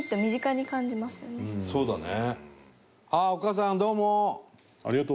そうだね。